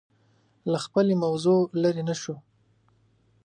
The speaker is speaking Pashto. له خپلې موضوع لرې نه شو